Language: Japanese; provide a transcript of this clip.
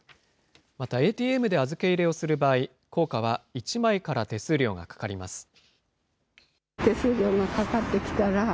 また、ＡＴＭで預け入れをする場合、硬貨は１枚から手数料がかかります。